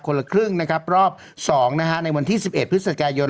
คนละครึ่งนะครับรอบสองนะฮะในวันที่สิบเอ็ดพฤศกายน